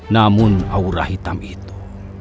namun aura hitam itu